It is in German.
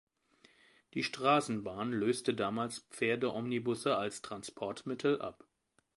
Die Straßenbahn löste damals Pferdeomnibusse als Transportmittel ab.